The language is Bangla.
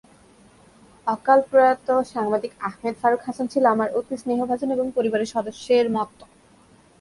অকালপ্রয়াত সাংবাদিক আহমেদ ফারুক হাসান ছিল আমার অতি স্নেহভাজন এবং পরিবারের সদস্যের মতো।